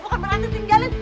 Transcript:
bukan berarti tinggalin